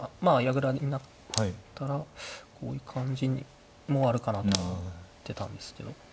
矢倉になったらこういう感じもあるかなと思ってたんですけど。